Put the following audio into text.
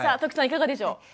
いかがでしょう？